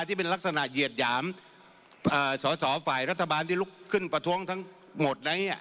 ที่เป็นลักษณะเหยียดหยามสอสอฝ่ายรัฐบาลที่ลุกขึ้นประท้วงทั้งหมดนั้น